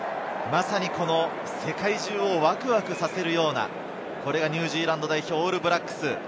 世界中をワクワクさせるような、これがニュージーランド代表・オールブラックス。